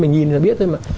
mình nhìn là biết thôi mà